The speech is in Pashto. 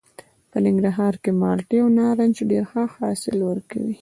په ننګرهار کې مالټې او نارنج ډېر ښه حاصل ورکوي.